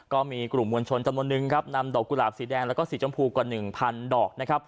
ก็มีกลุ่มมวลชนจำนวนนึงนำดอกกุหลาบสีแดงและสีชมพูกว่า๑๐๐๐ดอก